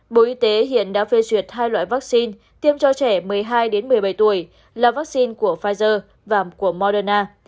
bộ y tế hiện đã phê duyệt hai loại vaccine tiêm cho trẻ một mươi hai một mươi bảy tuổi là vaccine của pfizer và của moderna